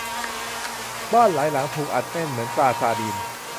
บ้านหลายหลังถูกอัดแน่นเหมือนปลาซาร์ดีน